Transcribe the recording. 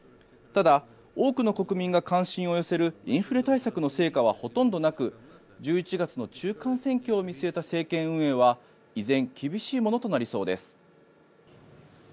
ただ、多くの国民が関心を寄せるインフレ対策の成果はほとんどなく１１月の中間選挙を見据えた政権運営は依然、厳しいものとなりそうです。